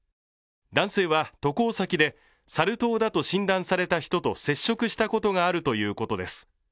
男性は渡航先でサル痘だと診断された人と接触したことがあるということです。